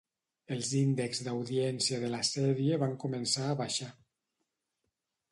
Els índexs d'audiència de la sèrie van començar a baixar.